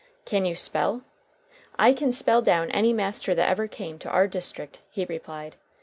"Can you spell?" "I can spell down any master that ever came to our district," he replied.